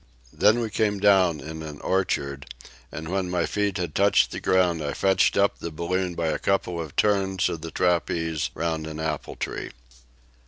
Then we came down in an orchard, and when my feet had touched the ground I fetched up the balloon by a couple of turns of the trapeze around an apple tree.